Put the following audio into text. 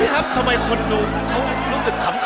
ครับทำไมคนดูเขารู้สึกขำ